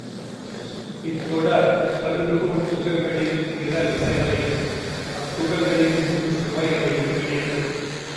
இத்தொடக்கம் கருதுகோள் துகள்களின் நிற விசைகளையும் அத்துகள்களில் மூன்று சுவைகளையும் இணைப்பது.